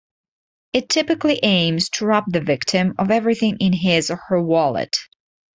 It typically aims to rob the victim of everything in his or her wallet.